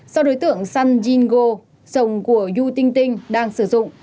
sau đối tượng san jin go sông của yu tinh tinh đang sử dụng